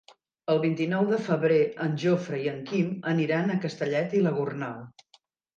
El vint-i-nou de febrer en Jofre i en Quim aniran a Castellet i la Gornal.